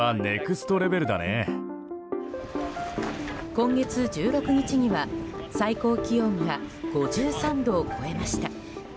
今月１６日には最高気温が５３度を超えました。